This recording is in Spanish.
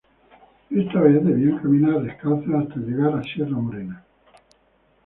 Esta vez debían caminar descalzas hasta llegar a Sierra Morena.